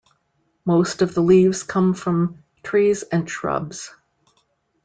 Most of the leaves come from trees and shrubs.